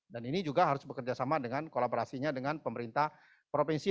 dan ini juga harus bekerjasama dengan kolaborasinya dengan pemerintah provinsi